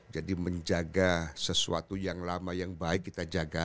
jadi menjaga sesuatu yang lama yang baik kita jaga